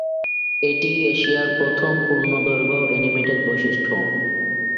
এটি এশিয়ার প্রথম পূর্ণ দৈর্ঘ্য অ্যানিমেটেড বৈশিষ্ট্য।